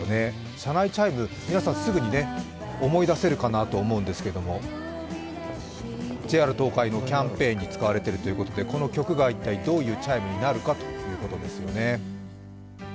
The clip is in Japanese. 車内チャイム、皆さんすぐに思い出せるかなと思うんですけども、ＪＲ東海のキャンペーンに使われているということで、この曲が一体どういうチャイムになるかということですよね。